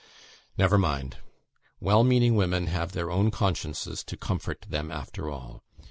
Never mind! well meaning women have their own consciences to comfort them after all.